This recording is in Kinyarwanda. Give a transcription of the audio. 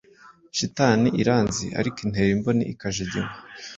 Shitani iranzi arko intera imboni ikajiginwa